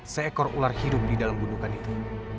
seekor ular hidup di dalam gunungan itu